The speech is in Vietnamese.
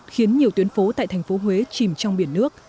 khiến nhiều tuyến phố tại thành phố huế chìm trong biển nước